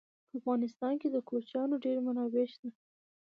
په افغانستان کې د کوچیانو ډېرې منابع شته.